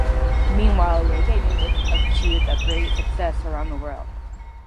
Meanwhile, Reggae music achieved a great success around the world.